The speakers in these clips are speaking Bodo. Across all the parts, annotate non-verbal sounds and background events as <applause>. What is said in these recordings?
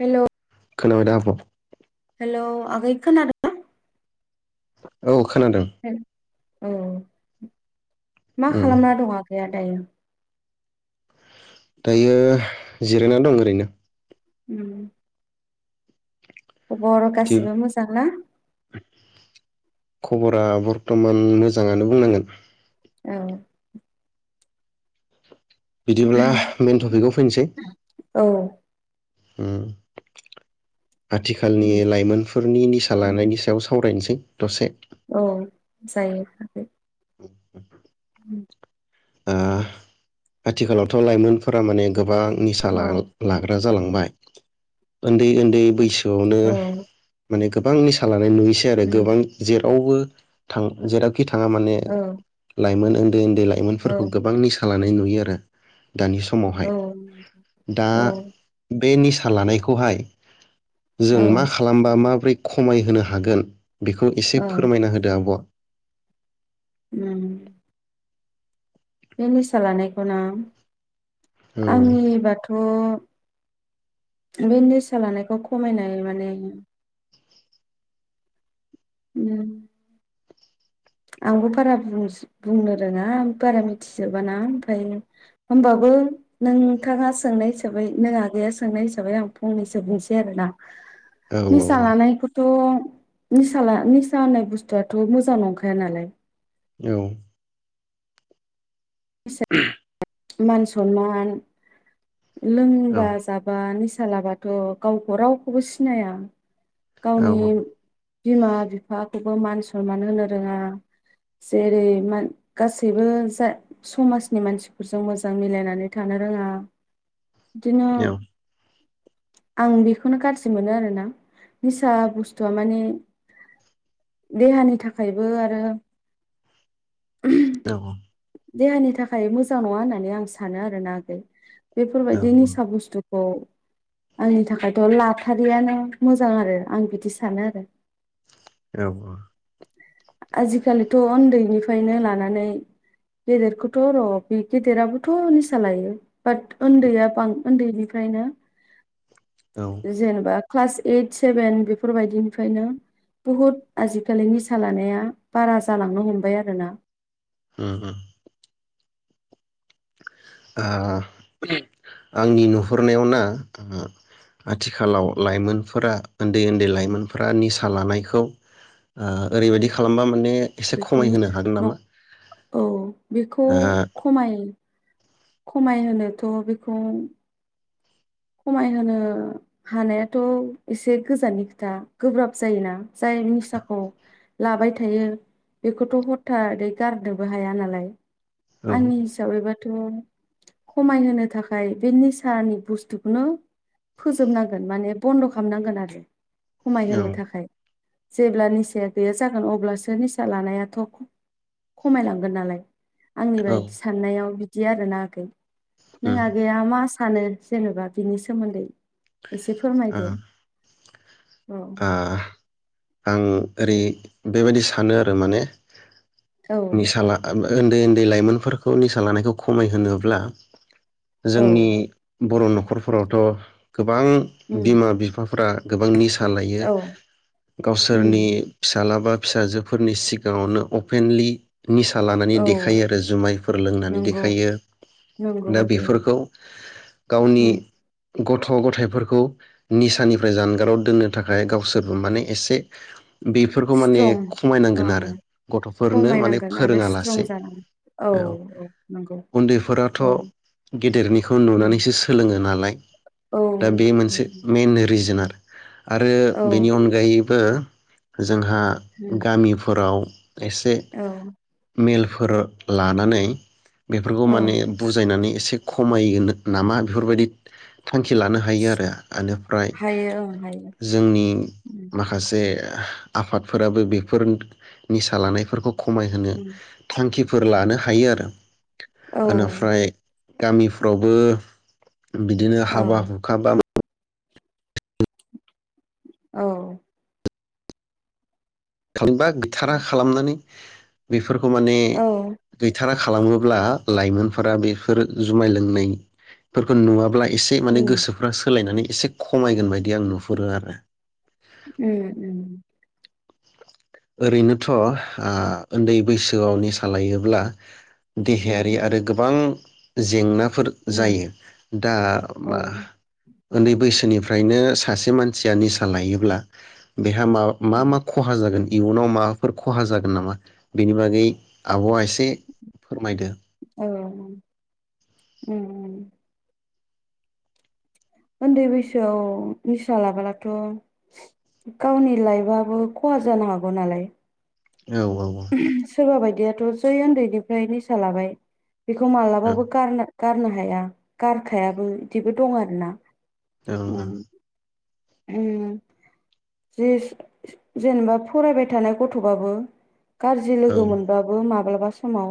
हेलौ खोनाबाय दा आब'? हेल आगै खोनादों ना? औ खोनादों औ मा उम खालामना दं आगैया दायो। दायो जिरायनानै दं ओरैनो ओम खबर बिदि गासिबो मोजां ना। खबरा बरथमान मोजाङानो बुंनांगोन औ बिदिब्ला मइेन टपिकआव फैनोसै औ ओम आथिखालनि लाइमोनफोरनि निसा लानायनि सायाव सावरायनोसै दसे औ जायो लांदां ओ आथिखालावथ लाइमोनफोरा माने गोबां निसा औ लाग्रा जालांबाय उन्दै उन्दै बैसो औनो औ माने गोबां निसा ला नाय नुयोसै आरो उम गोबां जे रावबो थां जेरा खि थाङा माने औ लाइ <unintelligible> उन्द उन्दै औ लाइमोनफोरखौ गोबां निसा लाना नुयो आरो। दानि समावहाय दा औ बे निसा लानायखौहाय जों औ मा खालामबा माब्रै खमायहोनो हागोन बेखौ एसे फोरमायना होदो आब' उम बे निसा लानायखौना औ आंनि बाथ' बे निसा लानायखौ खमायनाय माने उम आंबो बारा बुंस-बुंनो रोङा बारा मिथिजोबाना ओमफाय होमबाबो नोंथाङा सोंनाय हिसाबै नों आगैया सोंनाय हिसाबै आं फंनैसो बुंसै आरोना निसा औ लानायखौथ' निसाला-निसा होननाय बुस्थुआथ' मोजां नं खाया नालाय औ <inaudible> मान सनमान औ लोंबा जाबा नि सा लाबाथ' गावखौ रावखौबो सिनाया। गावनि बिमा बिफाखौबो मान सनमान होनो रोङा जेरै मान गासैबो जा समाजनि मानसि फोरजों मोजां मिलायनानै थानो रोङा। बिदिनो आं बेखौनो गाज्रि मोनो आरोना निसा बुस्थुआ माने देहानि थाखायबो आरो औ औ देहानि थाखाय मोजां नङा होननानै आं सानो आरो ना आगै। बेफोरबायदि निसा बुस्थु खौ आंनि थाखायथ' लाथारियानो मोजां आरो आं बिदि सानो आरो। औ आजिखालिथ' उन्दैनिफ्रायनो लानानै गेदेरखौथ' र' बे गेदेराबोथ' निसा लायो बाट उन्दैया बां उन्दैनिफ्रायनो औ जेनबा क्लास ओइट सेभेन बेफोरबायदिनिफ्रायनो बुहुत आजिखालिनि निसा लानाया बारा जालांनो हमबाय आरोना। ओम ओम ओ आंनि नुहुरनायाव ना आथिखालाव लाइमोनफोरा उन्दै उन्दै लाइमोनफोरा निसा लानायखौ ओओरैबादि ओ खालामबा मा बेखौ औ बेखौ खमाय खमायहोनोथ' बेखौ खमायहोनो हानायाथ' एसे गोजाननि खोथा गोब्राब जायोना जाय निसाखौ लाबाय थायो बेखौथ' हरथादै गारनोबो हाया नालाय। ओ आंनि हिसाबै बा थ' खमायहो थाखाय बे निसानि बुस्थु खौनो फोजोबनांगोन माने बन्द' खालामनांगोन आरो। औ खमायहोनो थाखाय। जेब्ला निसाया गैया जागोन अब्लासो निसा लानायाथ' खमायलांगोन नालाय। आंनि औ बायदि साननायाव बि दि आरो आगै नों उम आगैया मा सा नो जेनेबा? बिनि सोमोन्दै एसे ओ फोरमायदो औ आ आं ओरै बेबायदि सानो आरो माने औ नि साल ओ ब उन्दै उन्दै लाइमोनफोरखौ निसा लानायखौ खमायहोनोब्ला जोंनि औ बर' न'खरफोरावथ' गोबां उम बिमा बिफाफोरा गोबां निसा लायो औ गावसोरनि उम फिसालाबा फिसाजोफोरनि सिगाङावनो अपेनलि निसा लानानै औ देखायो आरो जुमायफोर लोंनानै नंगौ देखायो नंगौ दा आगै ओं बेफोरखौ गावनि उम गथ' गथायाइफोरखौ निसानिफ्राय जानगाराव दोननो थाखाय गावसोरबो माने एसे बेफोरखौ माने स्ट्रं खमायनांगोन आरो ओं गथ'फोरनो माने खमायनांगोन आरो फोरोङा स्ट्रं लासे जानांगोन औ नंगौ उन्दैफोराथ' औ गेदेरनिखौ उम नुनानैसो सोलोङो नालाय औ <inaudible> दा बे मोनसे उम मइन रिजोन आरो आरो औ बेनि अनगायैबो जोंहा उम गामिफोराव एसे मेलफोर लानानै बेफोरखौ औ औ माने बुजायनानै एसे खमागोन नामा बेफोरबायदि थांखि लानो हायो आरो बेनिफ्राय हायो ओं हायो जोंनि उम माखासे आफादफोराबो बेफोर निसा लानायफोरखौ खमाय ओम फोर लानो हायो आरो ओमफ्राय गामिफ्रावबो बिदिनो औ हाबा हुखाबा औ थांबा गैथारा खालामनानै बि बेफोरखौ माने औ गैथाराखै खालामोब्ला लाइमोनफोरा बेफोर जुमाय लोंनायफोरखौ नुवाब्ला एसे माने उम गोसोफ्रा सोलायनानै एसे खमायगोन बायदि आं नुहुरो आरो उम उम ओरैनोथ' उन्दै बैसोआव निसा लायोब्ला देहायारि उम आरो गोबां जेंना फोर उम जायो दा औ उन्दै बैसोनिफ्राय नो सासे मानसिया निसा लायोब्ला देहा मा मा उम मा खहा जागोन इयुनाव माबाफोर खहा जागोन नामा बेनि बागै आब'आ एसे फोरमायदो औ उम उम उन्दै बैसोआव निसा लाबोलाथ' गावनि लाइफाबो खहा जानो हागौ नालाय औ सोरबा बायदि आरो टर जय उन्दैनिफ्राय निसा लाबाय बेखौ मालाबाबो गारनो गारनो हाया गारखायाबो बिदिबो दं आरोना औ औ ज जेनेबा फरायबाय थानाय गथ'बाबो गाज्रि औ लोगो मोनबाबो माबा माब्लाबा समाव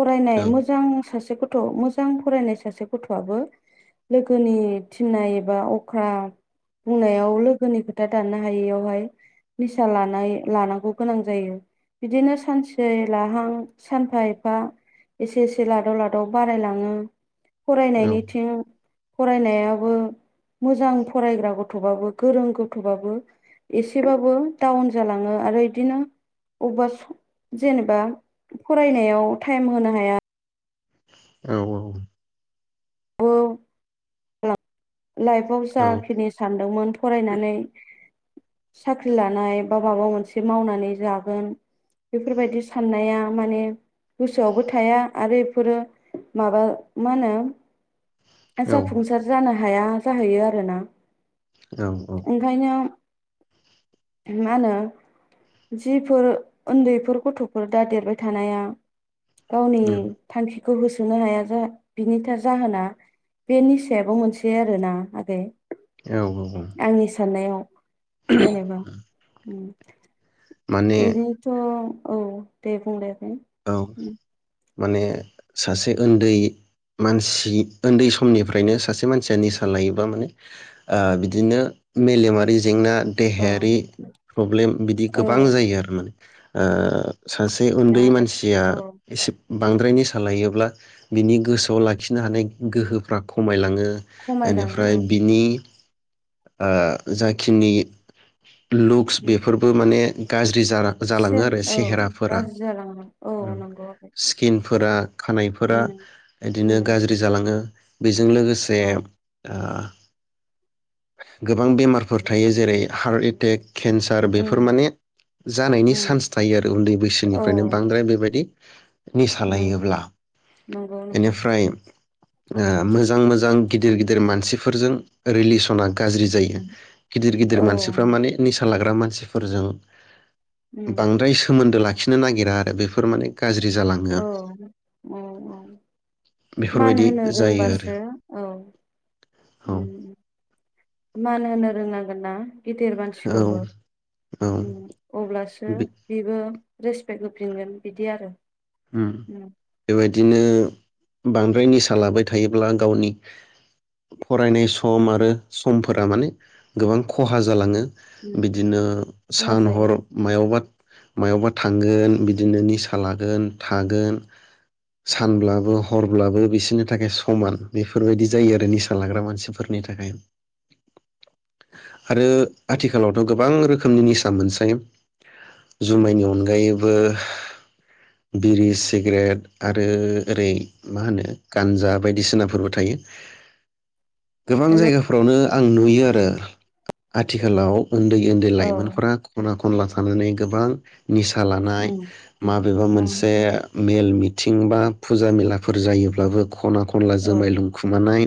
फरायनाय मोजां सासेखौ गथ' मोजां फरायनाय सासे गथ'आबो लोगोनि थिन्नाय एबा अख्रा बुंनायाव लोगोनि खोथा दानानो हायियावहाय निसा लानाय लानांगौ गोनां जायो बिदिनो सानसे लाहां सानफा एफा एसे एसे लादाव लादाव बारायलाङो फरायनायनिथिं फरायनायाबो मोजां फरायग्रा गथ' गथ'बाबो गोरों गथ'बाबो एसेबाबो डाउन जालाङो आरो इदिनो अबेबा जेनेबा फरायनायाव टाइम होनो हाया औ औ औ खालाम लाइफाव औ जाखिनि सानदोंमोन फरायनानै साख्रि लानाय बा माबा मोनसे मावनानै जागोन बेफोरबायदि साननाया माने गोसोआवबो थाया आरो बेफोरो माबा मा होनो औ जाफुंसार जानो हाया जाहैयो आरोना ओंखायनो मा होनो जिफोर उन्दैफोर गथ'फोर दा देरबाय थानाया गावनि थांखि खौ होसोनो हाया बिनिथार जाहोना बे निसायाबो मोनसे आरोना आगै आंनि साननायाव जेनेबा माने एदिथ' औ दे बुं दे औ <unintelligible> माने सासे उन्दै मानसि उन्दै समनिफ्रायनो सासे मानसिया निसा लायोबा माने बिदिनो मेलेमारि जेंना औ देहायारि प्रब्लेम बिदि औ गोबां जायो आरो माने ओ सासे बेनो उन्दै आरो मानसि जिया औ एसे बांद्रायनो सालायोब्ला बिनि गोसोआव लाखिनो हानाय गोहोफ्रा खमायलाङो खमायलाङो बेनिफ्राय औ बिनि ओ जाखिनि लुक्स उम बेफोरबो माने जै जारा जालाङो सेन आरो औ सेहेराफोरा गाज्रि जालाङो औ ओ नंगौ आगै स्किन फोरा खानायफोरा उम इदिनो उम गाज्रि जालाङो बेजों लोगोसे औ गोबां बेमारफोर थायो जेरै हार्ट एटेक केन्सार बेफोर उम माने जानायनि उम चान्स थायो आरो उन्दै औ बैसोनिफ्रायनो बांद्राय बेबायदि निसा औ लायोब्ला नंगौ नंगौ बेनिफ्राय मोजां मोजां गिदिर गिदिर मानसिफोरजों रिलिस सना गाज्रि जायो उम गिदिर गिदिर औ मानसिफ्रा नंगौ माने निसा लाग्रा मा मानसिफोरजों उम बांद्राय सोमोन्दो ला लाखिनो नागिरा आरो बेफोर माने गाज्रि जालाङो औ औ औ मान बेफोरबायदि होनो जायो आरो रोंबासो औ। औ। उम मान होनो रोंनांगोन ना गेदेर मानसिखौबो औ औ उम अब्लासो बे बेबो रेसपेक्ट होफिनगोन बिदि आरो। उम बेबाय बिदिनो बांद्राय निसा लाबाय थायोब्ला गावनि फरायनाय सम आरो समफोरा माने गोबां खहा जालाङो। उम बिदिनो खहा सान जायो हर मायावबा मायावबा थांगोन बिदिनो निसा लागोन। थागोन सानब्लाबो हरब्लाबो बिसोरनि थाखाय समान बेफोरबायदि जायो आरो निसा लाग्रा मानसिफोरनि थाखाय आरो आथिखालावथ' गोबां रोखोमनि निसा मोनसै जुमायनि अनगायैबो बिरि सिगारेट आरो ओरै मा होनो गानजा बायदिसिनाफोरबो थायो। गोबां जायगाफ्रावनो आं नुयो आरो। आथिखालाव उन्दै उन्दै औ लाइमोनफोरा खना खना खनला थानानै गोबां निसा लानाय उम माबेबा उम मोनसे मेल मिथिं बा फुजा मेलाफोर जायोब्लाबो खना खनला औ जोमाय लुंखुमानाय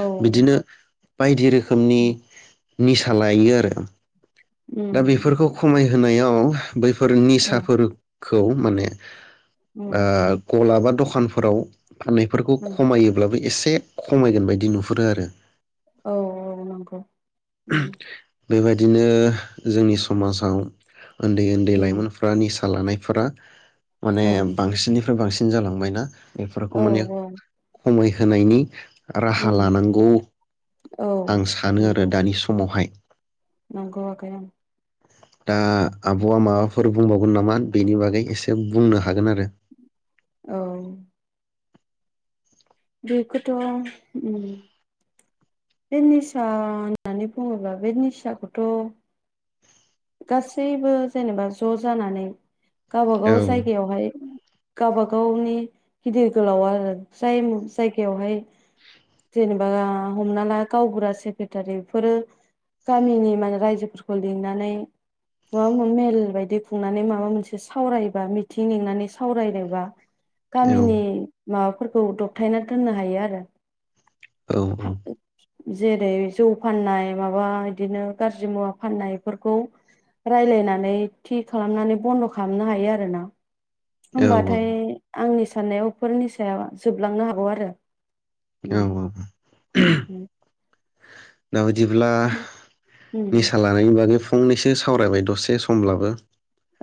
औ बिदिनो बायदिरोखोमनि उम रोखोमनि निसा लायो आरो दा बेफोरखौ उम खमायहोनायाव औ। बैफोर औ निसाफोर खौ माने उम आ गलाबाद- दखानफोराव फाननायफोरखौ उम खमायोब्लाबो एसे एसे खमायगोन बायदि नुहुरो आरो औ औ नंगौ। बेबायदिनो जोंनि समाजाव उन्दै उन्दै उम लाइमोनफोरानि लानायफोरा माने औ बांसिन बांसिन जालांबायना? बेफोरखौ औ माने औ खमायहोनायनि राहा उम लानांगौ औ आं सानो आरो नंगौ दानि समावहाय? नंगौ आगै उम। दा आब'आ माबाफोर बुंबावगोन नामा बेनि बागै एसे बुंनो हा औ। बेखौथ उम बे निसा होननानै बुङोब्ला बे निसाखौथ' गासैबो जेनेबा ज' जानानै गावब औ गाव जायगायावहाय गावबा गावनि गिदिर गोलावा आरो जाय जायगायावहाय जेनेबा हमना ला गावबुरा सेक्रेटारि बेफोरो गामिनि माने रायजोफोरखौ लिंनानै माबा मा मेल बायदि खुंनानै माबा मोनसे सावरायबा मिथिं लंनानै सावरायबा गामिनि माबाफोरखौ दबथायना दोननो हायो आरो औ औ। जेरै जौ फाननाय माबा बिदिनो गाज्रि मुवा फाननायफोरखौ रायलायनानै थि खालामनानै बन्द' खालामनो हायो आरोना? औ होमबाथाय आंनि सा साननायावफोरनि सायाव जोबलांनो हागौ आरो औ उम औ उम दा बादिब्ला उम निसा लानायनि बागै फो फंनैसो सावरायबाय दसे समब्लाबो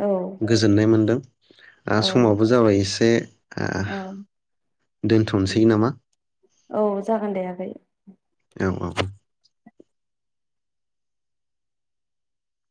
औ गोजोननाय मोनदों। ओ औ समाबो जाबाय इस दे औ नामा औ जागोन दे आगै। <inaudible> औ औ औ